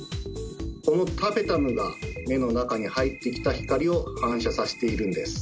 このタペタムが目の中に入ってきた光を反射させているんです。